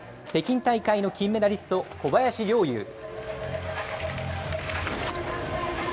北京大会の金メダリスト、小林陵侑。